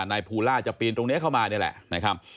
นายภูล่าจะปีนตรงนี้เข้ามานี่แหละนะครับ